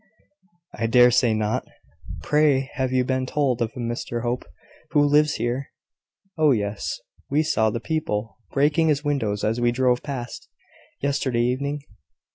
"I dare say not. Pray have you been told of a Mr Hope who lives here?" "Oh, yes; we saw the people breaking his windows as we drove past, yesterday evening.